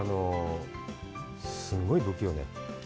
すごい不器用ね。